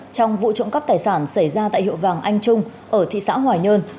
trong vụ trộm cắp tài sản xảy ra tại hiệu vàng anh trung ở thị xã hoài nhơn